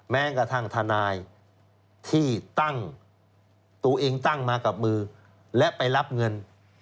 แม้กระทั่งทนายที่ตั้งตัวเองตั้งมากับมือและไปรับเงิน